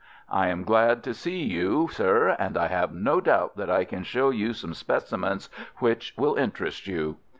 I am glad to see you, sir, and I have no doubt that I can show you some specimens which will interest you."